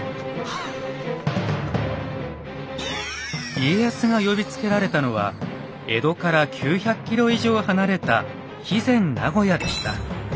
家康が呼びつけられたのは江戸から９００ｋｍ以上離れた肥前名護屋でした。